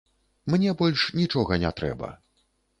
Мне больш нічога не трэба.